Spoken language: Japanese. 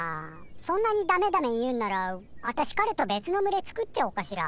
そんなに「ダメダメ」言うんなら私彼と別の群れ作っちゃおうかしら？